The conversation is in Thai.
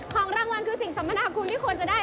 ของรางวัลคือสิ่งสัมมนาคุณที่ควรจะได้